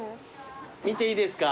見ていいですか？